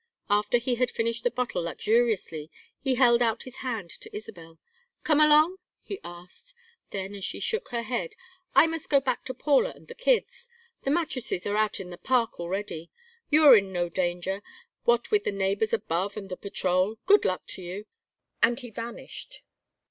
After he had finished the bottle luxuriously, he held out his hand to Isabel. "Come along?" he asked. Then, as she shook her head: "I must go back to Paula and the kids. The mattresses are out in the Park already. You are in no danger, what with the neighbors above and the patrol. Good luck to you," and he vanished.